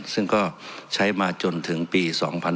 ซึ่งก็ใช้มาจนถึงปี๒๕๕๙